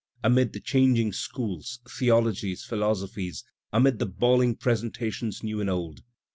Amid the changing schools, theologies, philosophies. Amid the bawling presentations new and old.